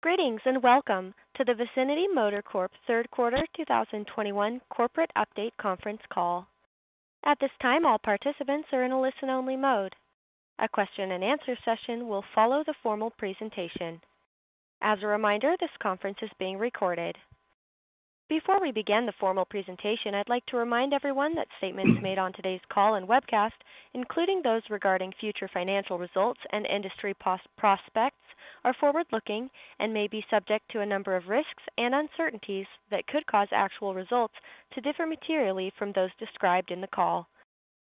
Greetings, and welcome to the Vicinity Motor Corp. third quarter 2021 corporate update conference call. At this time, all participants are in a listen-only mode. A question and answer session will follow the formal presentation. As a reminder, this conference is being recorded. Before we begin the formal presentation, I'd like to remind everyone that statements made on today's call and webcast, including those regarding future financial results and industry prospects, are forward-looking and may be subject to a number of risks and uncertainties that could cause actual results to differ materially from those described in the call.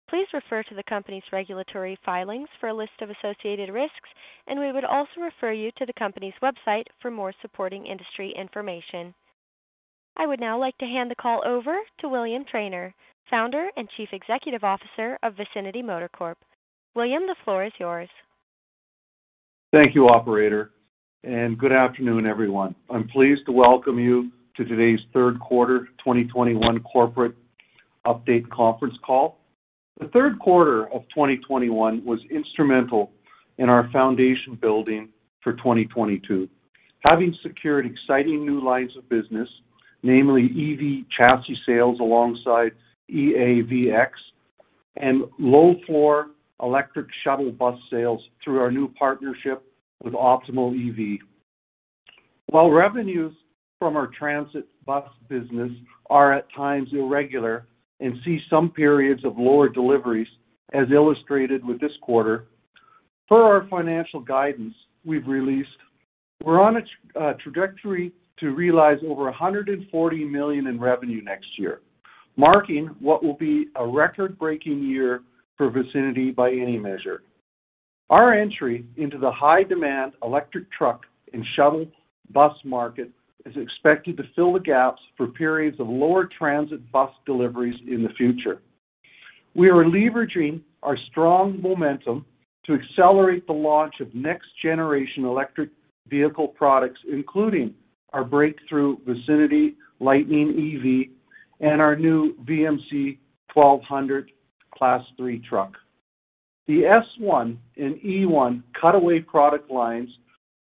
Please refer to the company's regulatory filings for a list of associated risks, and we would also refer you to the company's website for more supporting industry information. I would now like to hand the call over to William Trainer, Founder and Chief Executive Officer of Vicinity Motor Corp. William, the floor is yours. Thank you, operator, and good afternoon, everyone. I'm pleased to welcome you to today's third quarter 2021 corporate update conference call. The third quarter of 2021 was instrumental in our foundation building for 2022, having secured exciting new lines of business, namely EV chassis sales alongside EAVX and low-floor electric shuttle bus sales through our new partnership with Optimal-EV. While revenues from our transit bus business are at times irregular and see some periods of lower deliveries as illustrated with this quarter, per our financial guidance we've released, we're on a trajectory to realize over 140 million in revenue next year, marking what will be a record-breaking year for Vicinity by any measure. Our entry into the high-demand electric truck and shuttle bus market is expected to fill the gaps for periods of lower transit bus deliveries in the future. We are leveraging our strong momentum to accelerate the launch of next-generation electric vehicle products, including our breakthrough Vicinity Lightning EV and our new VMC 1200 Class 3 truck. The S1 and E1 cutaway product lines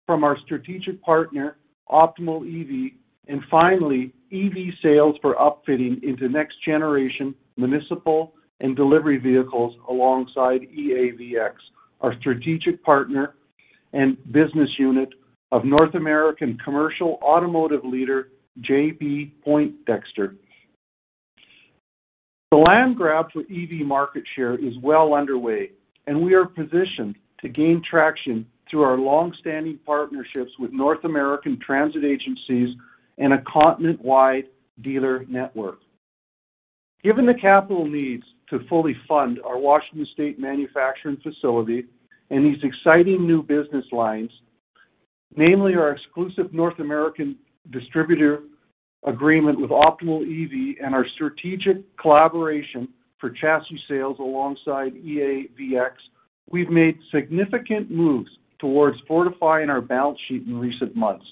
from our strategic partner, Optimal-EV, and finally, EV sales for upfitting into next-generation municipal and delivery vehicles alongside EAVX, our strategic partner and business unit of North American commercial automotive leader J.B. Poindexter. The land grab for EV market share is well underway, and we are positioned to gain traction through our long-standing partnerships with North American transit agencies and a continent-wide dealer network. Given the capital needs to fully fund our Washington State manufacturing facility and these exciting new business lines, namely our exclusive North American distributor agreement with Optimal-EV and our strategic collaboration for chassis sales alongside EAVX, we've made significant moves towards fortifying our balance sheet in recent months,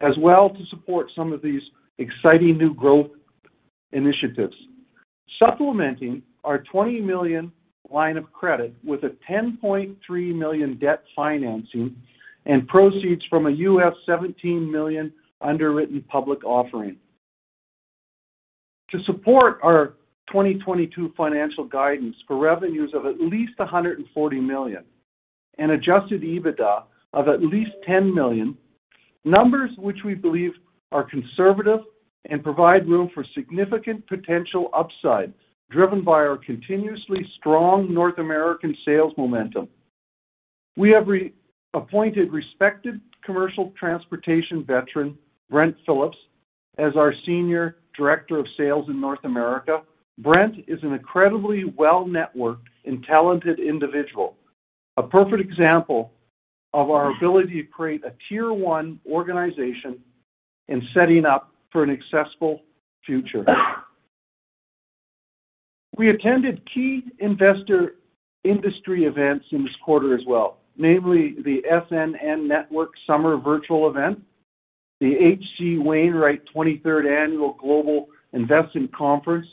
as well to support some of these exciting new growth initiatives. Supplementing our 20 million line of credit with a 10.3 million debt financing and proceeds from a $17 million underwritten public offering. To support our 2022 financial guidance for revenues of at least 140 million and adjusted EBITDA of at least 10 million, numbers which we believe are conservative and provide room for significant potential upside, driven by our continuously strong North American sales momentum. We have appointed respected commercial transportation veteran, Brent Phillips, as our senior director of sales in North America. Brent is an incredibly well-networked and talented individual, a perfect example of our ability to create a tier one organization and setting up for a successful future. We attended key investor industry events in this quarter as well, namely the SNN Network Summer Virtual Event, the H.C. Wainwright 23rd Annual Global Investment Conference,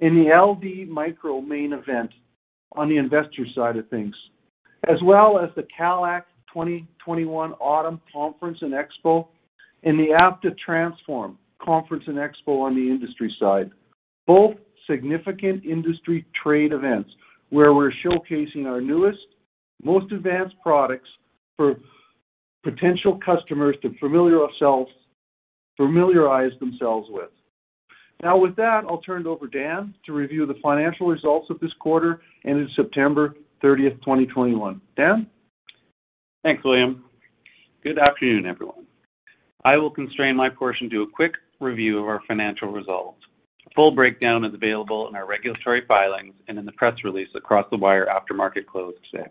and the LD Micro Main Event on the investor side of things, as well as the CALACT 2021 Autumn Conference and Expo and the APTA Transform Conference and Expo on the industry side. Both significant industry trade events where we're showcasing our newest, most advanced products for potential customers to familiarize themselves with. Now with that, I'll turn it over to Dan to review the financial results of this quarter ending September 30th, 2021. Dan? Thanks, William. Good afternoon, everyone. I will constrain my portion to a quick review of our financial results. A full breakdown is available in our regulatory filings and in the press release across the wire after market close today.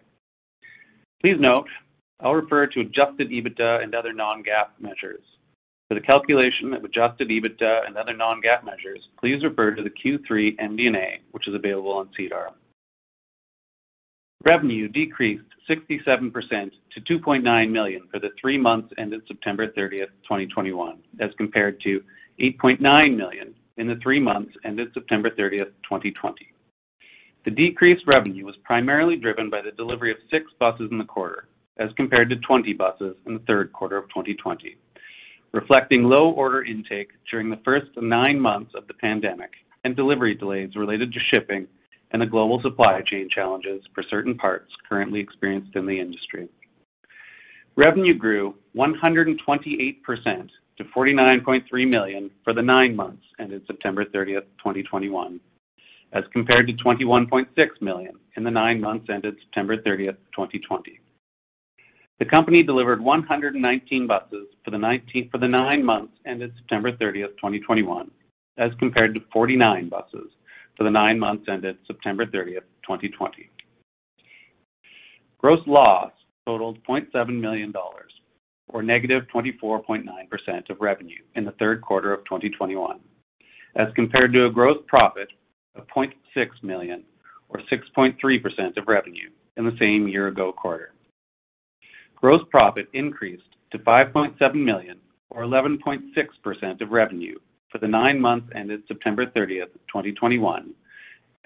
Please note, I'll refer to adjusted EBITDA and other non-GAAP measures. For the calculation of adjusted EBITDA and other non-GAAP measures, please refer to the Q3 MD&A, which is available on SEDAR. Revenue decreased 67% to 2.9 million for the three months ended September 30th, 2021, as compared to 8.9 million in the three months ended September 30th, 2020. The decreased revenue was primarily driven by the delivery of six buses in the quarter as compared to 20 buses in the third quarter of 2020, reflecting low order intake during the first nine months of the pandemic and delivery delays related to shipping and the global supply chain challenges for certain parts currently experienced in the industry. Revenue grew 128% to 49.3 million for the nine months ended September 30th, 2021, as compared to 21.6 million in the nine months ended September 30th, 2020. The company delivered 119 buses for the nine months ended September 30th, 2021, as compared to 49 buses for the nine months ended September 30, 2020. Gross loss totaled 0.7 million dollars, or -24.9% of revenue in the third quarter of 2021, as compared to a gross profit of 0.6 million or 6.3% of revenue in the same year ago quarter. Gross profit increased to 5.7 million or 11.6% of revenue for the nine months ended September 30th, 2021,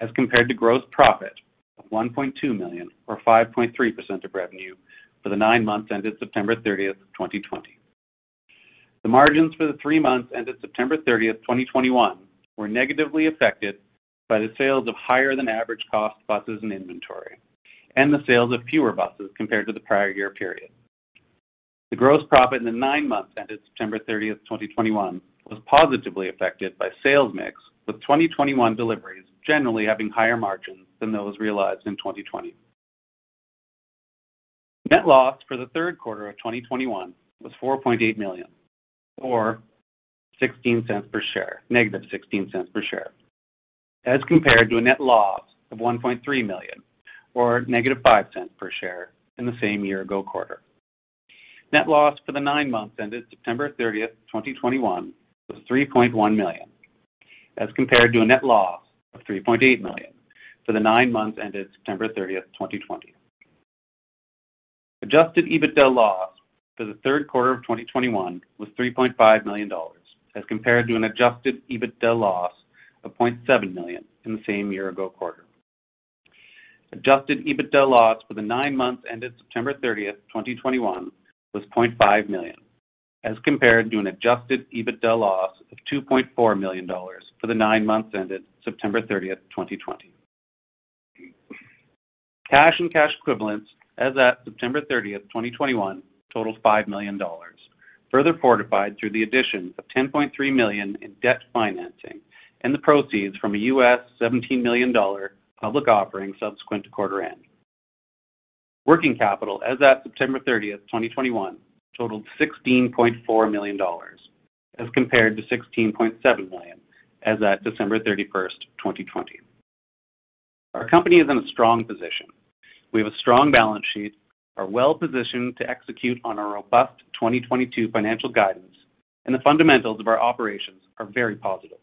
as compared to gross profit of 1.2 million or 5.3% of revenue for the nine months ended September 30th, 2020. The margins for the three months ended September 30th, 2021 were negatively affected by the sales of higher than average cost buses and inventory and the sales of fewer buses compared to the prior year period. The gross profit in the nine months ended September 30th, 2021 was positively affected by sales mix, with 2021 deliveries generally having higher margins than those realized in 2020. Net loss for the third quarter of 2021 was 4.8 million or -0.16 per share, as compared to a net loss of 1.3 million or -0.05 per share in the same year ago quarter. Net loss for the nine months ended September 30th, 2021 was 3.1 million, as compared to a net loss of 3.8 million for the nine months ended September 30th, 2020. Adjusted EBITDA loss for the third quarter of 2021 was 3.5 million dollars, as compared to an adjusted EBITDA loss of 0.7 million in the same year-ago quarter. Adjusted EBITDA loss for the nine months ended September 30th, 2021 was 0.5 million, as compared to an adjusted EBITDA loss of 2.4 million dollars for the nine months ended September 30th, 2020. Cash and cash equivalents as at September 30th, 2021 totaled 5 million dollars, further fortified through the addition of 10.3 million in debt financing and the proceeds from a $17 million public offering subsequent to quarter end. Working capital as at September 30th, 2021 totaled 16.4 million dollars, as compared to 16.7 million as at December 31st, 2020. Our company is in a strong position. We have a strong balance sheet, are well-positioned to execute on our robust 2022 financial guidance, and the fundamentals of our operations are very positive.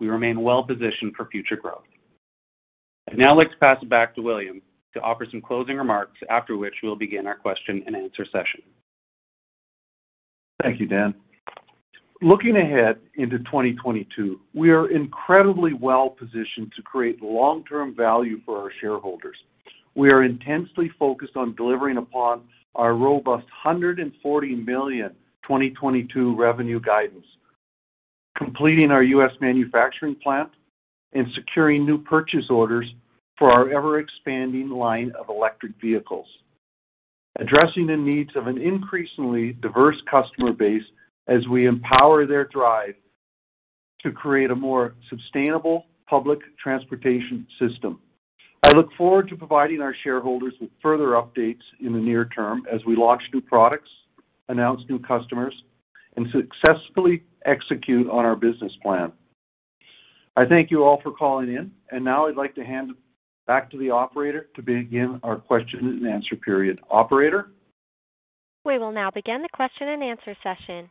We remain well-positioned for future growth. I'd now like to pass it back to William to offer some closing remarks, after which we will begin our question-and-answer session. Thank you, Dan. Looking ahead into 2022, we are incredibly well-positioned to create long-term value for our shareholders. We are intensely focused on delivering upon our robust 140 million 2022 revenue guidance, completing our U.S. manufacturing plant and securing new purchase orders for our ever-expanding line of electric vehicles, addressing the needs of an increasingly diverse customer base as we empower their drive to create a more sustainable public transportation system. I look forward to providing our shareholders with further updates in the near term as we launch new products, announce new customers, and successfully execute on our business plan. I thank you all for calling in, and now I'd like to hand it back to the Operator to begin our question and answer period. Operator? We will now begin the question-and-answer session.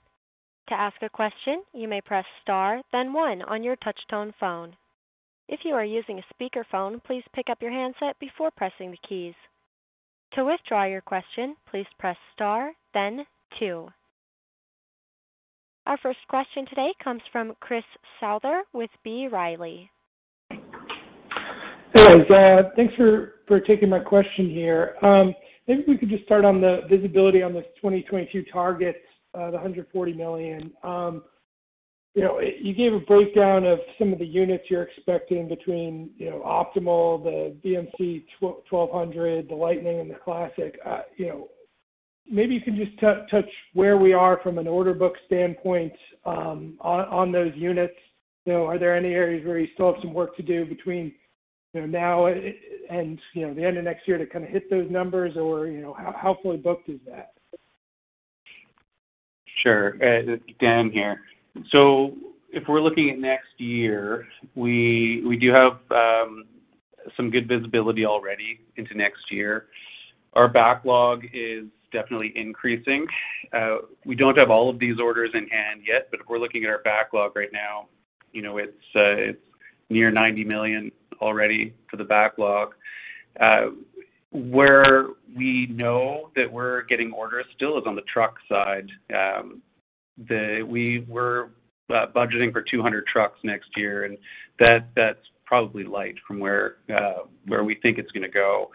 To ask a question, you may press star then one on your touch tone phone. If you are using a speaker phone, please pick up your handset before pressing the keys. To withdraw your question, please press star then two. Our first question today comes from Chris Murray with ATB Capital Markets. Hey, Dan. Thanks for taking my question here. Maybe we could just start on the visibility on the 2022 targets, the 140 million. You know, you gave a breakdown of some of the units you're expecting between, you know, Optimal, the VMC 1200, the Lightning and the Classic. You know, maybe you can just touch where we are from an order book standpoint, on those units. You know, are there any areas where you still have some work to do between, you know, now and, you know, the end of next year to kinda hit those numbers or, you know, how fully booked is that? Sure. This is Dan here. If we're looking at next year, we do have some good visibility already into next year. Our backlog is definitely increasing. We don't have all of these orders in hand yet, but if we're looking at our backlog right now, you know, it's near 90 million already for the backlog, where we know that we're getting orders still is on the truck side. We were budgeting for 200 trucks next year, and that's probably light from where we think it's gonna go.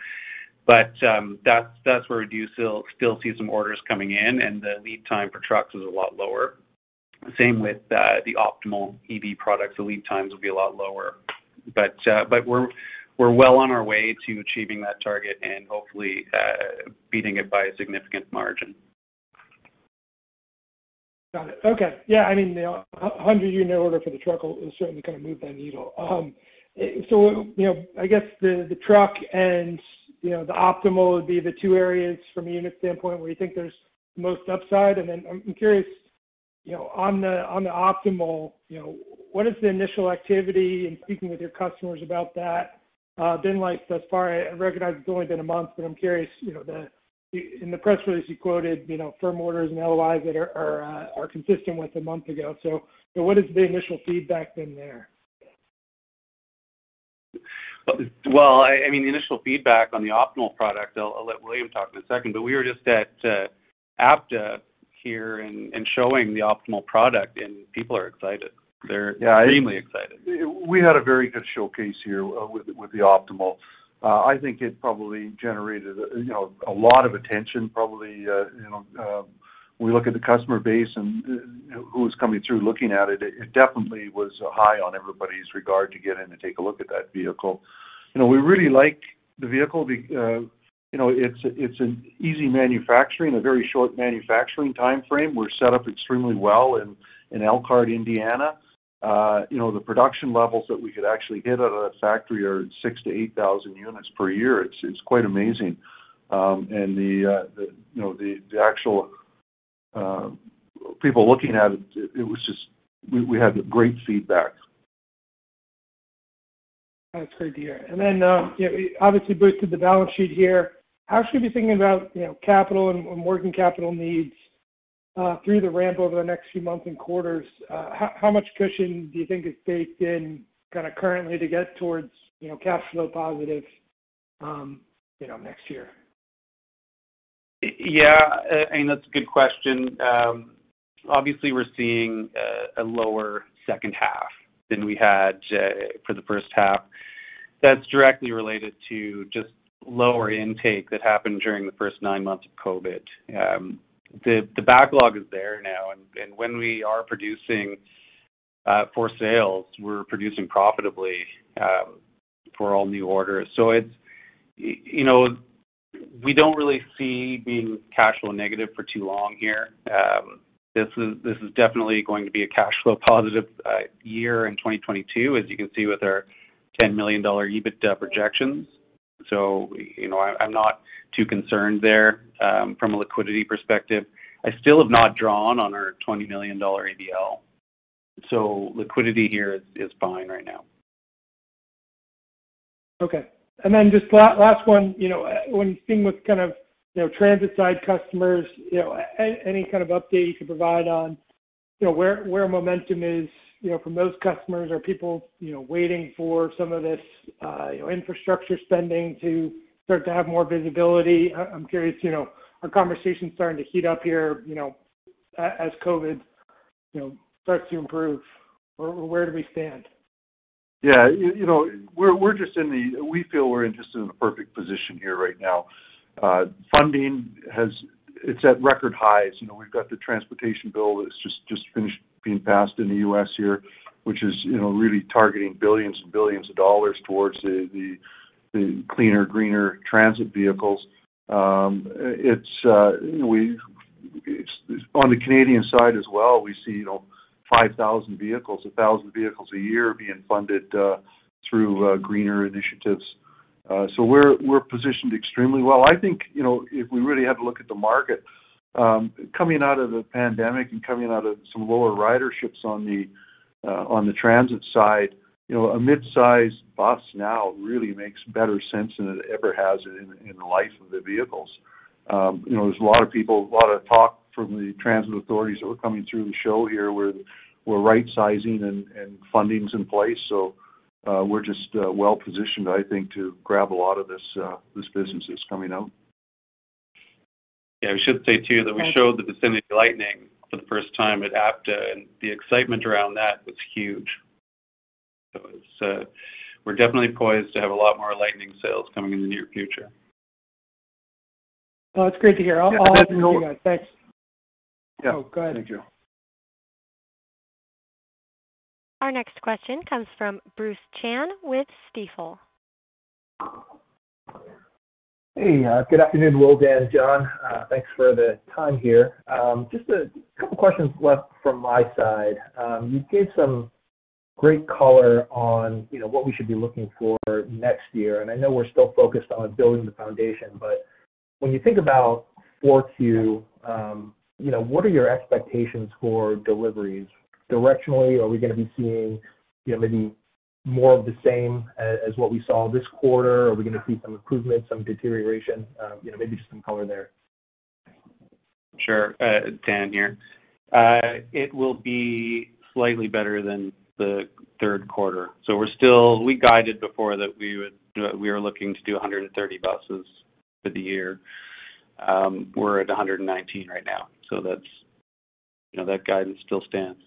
That's where we do still see some orders coming in, and the lead time for trucks is a lot lower. Same with the Optimal-EV products. The lead times will be a lot lower. We're well on our way to achieving that target and hopefully beating it by a significant margin. Got it. Okay. Yeah, I mean, the 100-unit order for the truck will certainly kind of move that needle. You know, I guess the truck and, you know, the Optimal would be the two areas from a unit standpoint where you think there's the most upside. I'm curious, you know, on the Optimal, you know, what is the initial activity in speaking with your customers about that been like thus far? I recognize it's only been a month, but I'm curious. In the press release you quoted, you know, firm orders and LOI that are consistent with a month ago. What has the initial feedback been there? Well, I mean, the initial feedback on the Optimal product, I'll let William talk in a second, but we were just at APTA here and showing the Optimal product, and people are excited. They're Yeah, I extremely excited. We had a very good showcase here with the Optimal-EV. I think it probably generated, you know, a lot of attention probably. You know, when we look at the customer base and, you know, who was coming through looking at it definitely was high on everybody's radar to get in to take a look at that vehicle. You know, we really like the vehicle, you know, it's an easy manufacturing, a very short manufacturing timeframe. We're set up extremely well in Elkhart, Indiana. You know, the production levels that we could actually hit out of that factory are 6,000 units-8,000 units per year. It's quite amazing. And the, you know, the actual people looking at it was just. We had great feedback. That's great to hear. You know, obviously boosted the balance sheet here. How should we be thinking about, you know, capital and working capital needs through the ramp over the next few months and quarters? How much cushion do you think is baked in kinda currently to get towards, you know, cash flow positive, you know, next year? Yeah. I mean, that's a good question. Obviously we're seeing a lower second half than we had for the first half. That's directly related to just lower intake that happened during the first nine months of COVID. The backlog is there now, and when we are producing for sales, we're producing profitably for all new orders. So it's, you know, we don't really see being cash flow negative for too long here. This is definitely going to be a cash flow positive year in 2022, as you can see with our 10 million dollar EBITDA projections. So, you know, I'm not too concerned there from a liquidity perspective. I still have not drawn on our 20 million dollar ABL, so liquidity here is fine right now. Okay. Just last one. You know, when seeing with kind of, you know, transit side customers, you know, any kind of update you could provide on, you know, where momentum is, you know, from those customers? Are people, you know, waiting for some of this, you know, infrastructure spending to start to have more visibility? I'm curious, you know, are conversations starting to heat up here, you know, as COVID, you know, starts to improve, or where do we stand? Yeah. You know, we feel we're just in the perfect position here right now. Funding is at record highs. You know, we've got the transportation bill that's just finished being passed in the U.S. here, which is, you know, really targeting billions of dollars towards the cleaner, greener transit vehicles. It's on the Canadian side as well, we see, you know, 5,000 vehicles, 1,000 vehicles a year being funded through greener initiatives. We're positioned extremely well. I think, you know, if we really have a look at the market, coming out of the pandemic and coming out of some lower riderships on the transit side, you know, a mid-size bus now really makes better sense than it ever has in the life of the vehicles. You know, there's a lot of people, a lot of talk from the transit authorities that were coming through the show here where we're rightsizing and funding's in place. We're just well positioned, I think, to grab a lot of this business that's coming out. Yeah. We should say too that we showed the Vicinity Lightning for the first time at APTA, and the excitement around that was huge. It's, we're definitely poised to have a lot more Lightning sales coming in the near future. Well, that's great to hear. Yeah. Hand it over to you guys. Thanks. Yeah. Oh, go ahead. Thank you. Our next question comes from Bruce Chan with Stifel. Hey. Good afternoon, Will, Dan, andJohn. Thanks for the time here. Just a couple of questions left from my side. You gave some great color on, you know, what we should be looking for next year, and I know we're still focused on building the foundation, but when you think about 4Q, you know, what are your expectations for deliveries? Directionally, are we gonna be seeing, you know, maybe more of the same as what we saw this quarter? Are we gonna see some improvement, some deterioration? You know, maybe just some color there. Sure. Dan here. It will be slightly better than the third quarter. We guided before that we are looking to do 130 buses for the year. We're at 119 buses right now, so that's, you know, that guidance still stands.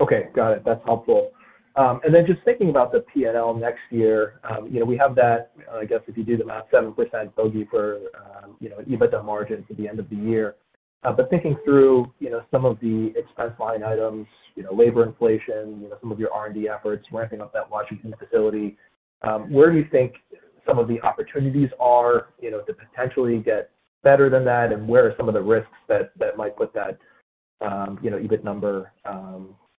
Okay. Got it. That's helpful. And then just thinking about the P&L next year, you know, we have that, I guess, if you do the math, 7% bogey for, you know, EBITDA margin for the end of the year. But thinking through, you know, some of the expense line items, you know, labor inflation, you know, some of your R&D efforts, ramping up that Washington facility, where do you think some of the opportunities are, you know, to potentially get better than that? And where are some of the risks that that might put that, you know, EBITDA number,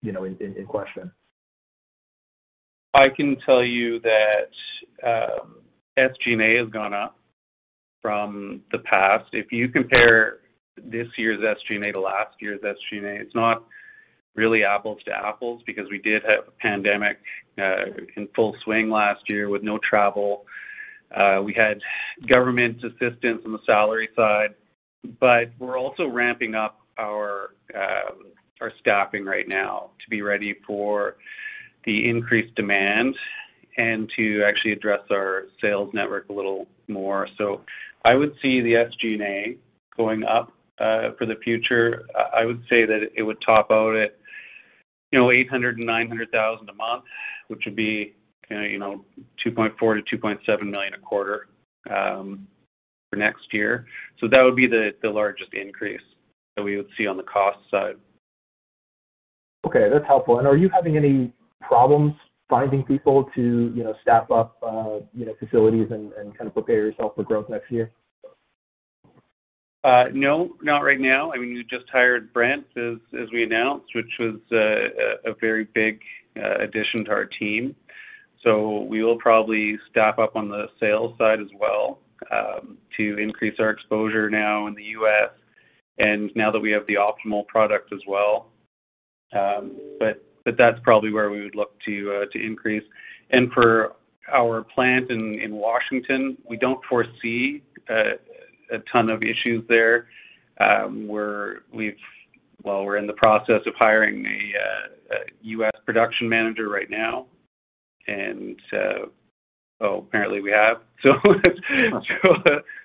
you know, in question? I can tell you that SG&A has gone up from the past. If you compare this year's SG&A to last year's SG&A, it's not really apples to apples because we did have a pandemic in full swing last year with no travel. We had government assistance on the salary side, but we're also ramping up our staffing right now to be ready for the increased demand and to actually address our sales network a little more. I would see the SG&A going up for the future. I would say that it would top out at, you know, 800,000-900,000 a month, which would be, you know, 2.4 million-2.7 million a quarter for next year. That would be the largest increase that we would see on the cost side. Okay. That's helpful. Are you having any problems finding people to, you know, staff up, you know, facilities and kind of prepare yourself for growth next year? No, not right now. I mean, we just hired Brent as we announced, which was a very big addition to our team. We will probably staff up on the sales side as well, to increase our exposure now in the U.S. and now that we have the Optimal product as well. That's probably where we would look to increase. For our plant in Washington, we don't foresee a ton of issues there. We're in the process of hiring a U.S. production manager right now. Oh, apparently we have.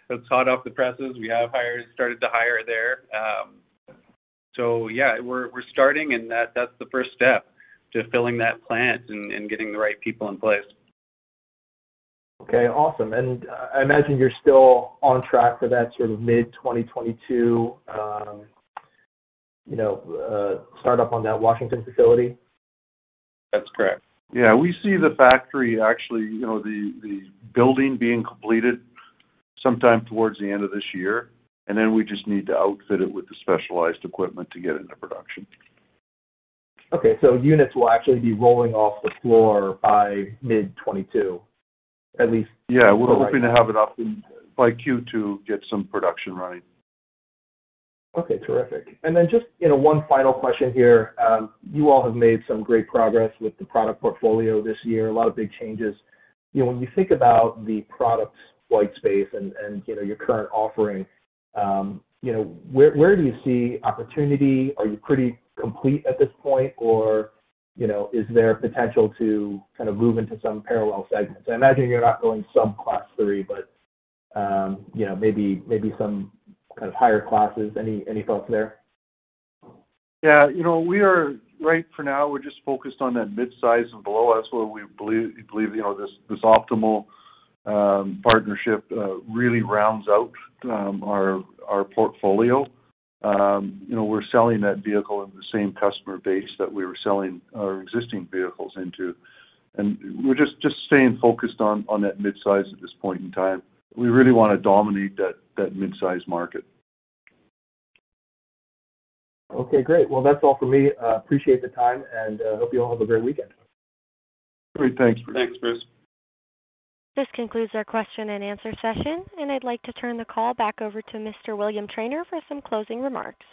That's hot off the presses. We started to hire there. Yeah, we're starting, and that's the first step to filling that plant and getting the right people in place. Okay. Awesome. I imagine you're still on track for that sort of mid-2022, you know, start up on that Washington facility? That's correct. Yeah. We see the factory actually, you know, the building being completed sometime towards the end of this year, and then we just need to outfit it with the specialized equipment to get into production. Units will actually be rolling off the floor by mid-2022, at least. Yeah. We're hoping to have it up by Q2, get some production running. Okay. Terrific. Just, you know, one final question here. You all have made some great progress with the product portfolio this year, a lot of big changes. You know, when you think about the product white space and your current offering, you know, where do you see opportunity? Are you pretty complete at this point? Or, you know, is there potential to kind of move into some parallel segments? I imagine you're not going sub-Class 3, but you know, maybe some kind of higher classes. Any thoughts there? Yeah. You know, right for now, we're just focused on that midsize and below. That's where we believe, you know, this Optimal partnership really rounds out our portfolio. You know, we're selling that vehicle in the same customer base that we were selling our existing vehicles into. We're just staying focused on that midsize at this point in time. We really wanna dominate that midsize market. Okay. Great. Well, that's all for me. Appreciate the time, and hope you all have a great weekend. Great. Thanks. Thanks, Chris. This concludes our question and answer session, and I'd like to turn the call back over to Mr. William Trainer for some closing remarks.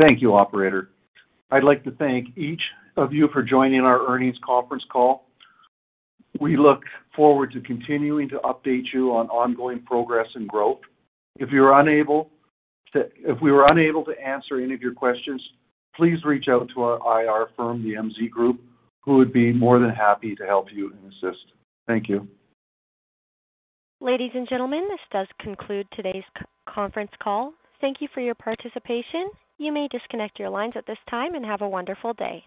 Thank you, Operator. I'd like to thank each of you for joining our earnings conference call. We look forward to continuing to update you on ongoing progress and growth. If we were unable to answer any of your questions, please reach out to our IR firm, the MZ Group, who would be more than happy to help you and assist. Thank you. Ladies and gentlemen, this does conclude today's conference call. Thank you for your participation. You may disconnect your lines at this time, and have a wonderful day.